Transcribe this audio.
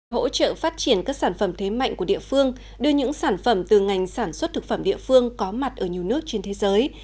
hỗ trợ phát triển các sản phẩm thế mạnh của địa phương đưa những sản phẩm từ ngành sản xuất thực phẩm địa phương có mặt ở nhiều nước trên thế giới